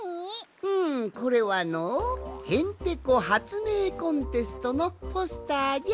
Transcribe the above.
うんこれはの「へんてこはつめいコンテスト」のポスターじゃ。